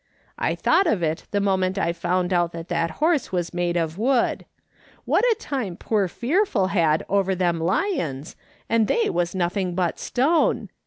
" I thought of it the minute I found out that horse was made of wood. What a time poor Fearful had over them lions, and they was nothing but stone